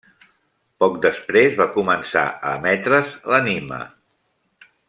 Poc després va començar a emetre's l'anime.